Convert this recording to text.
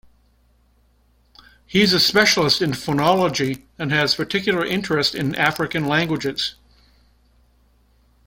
He is a specialist in phonology, and has particular interest in African languages.